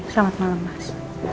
selamat malam mas